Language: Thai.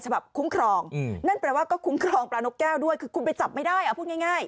ฉะนั้นแปลว่าก็คุ้มครองปลานกแก้วด้วยคือคุ้มไปจับไม่ได้อ่ะพูดง่าย